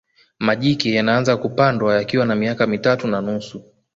majike yanaanza kupandwa yakiwa na miaka mitatu na nusu